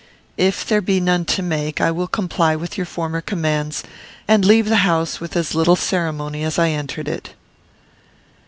If there be none to make, I will comply with your former commands, and leave the house with as little ceremony as I entered it."